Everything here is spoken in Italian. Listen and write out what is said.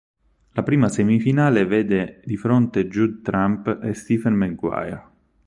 La prima semifinale vede di fronte Judd Trump e Stephen Maguire.